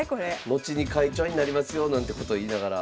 後に会長になりますよなんてこと言いながら。